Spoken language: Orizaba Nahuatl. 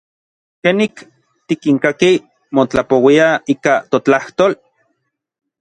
¿Kenik tikinkakij motlapouiaj ika totlajtol?